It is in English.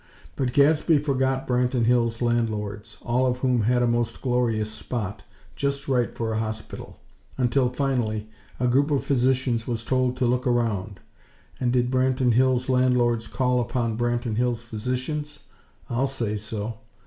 But Gadsby forgot Branton Hills' landlords, all of whom had "a most glorious spot," just right for a hospital; until, finally, a group of physicians was told to look around. And did Branton Hills' landlords call upon Branton Hills' physicians? I'll say so!!